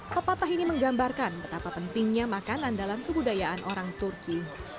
pepatah ini menggambarkan betapa pentingnya makanan dalam kebudayaan orang turki